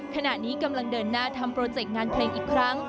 ขณะนี้กำลังเดินหน้าทำโปรเจกต์งานเพลงอีกครั้ง